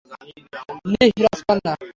লিহ, রাজকন্যা।